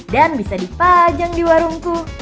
dan bisa dipajang di warungku